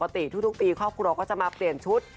ทุกปีครอบครัวก็จะมาเปลี่ยนชุด